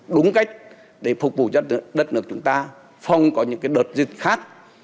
đúng cách để phục vụ cho đất nước chúng ta phòng có những cái đợt dịch khác